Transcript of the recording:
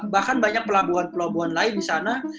bahkan banyak pelabuhan pelabuhan lain di sana